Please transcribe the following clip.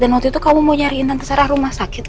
dan waktu itu kamu mau nyariin tante sarah rumah sakit